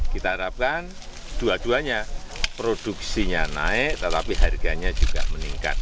kita harapkan dua duanya produksinya naik tetapi harganya juga meningkat